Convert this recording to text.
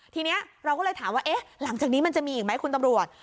ทีนี้เราก็เลยถามว่าเอ๊ะหลังจากนี้มันจะมีอีกไหมคุณตำรวจ